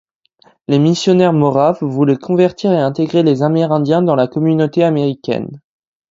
Les missionnaires moraves voulaient convertir et intégrer les Amérindiens dans la communauté américaine.